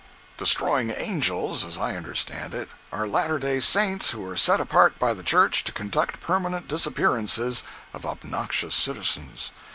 "Destroying Angels," as I understand it, are Latter Day Saints who are set apart by the Church to conduct permanent disappearances of obnoxious citizens.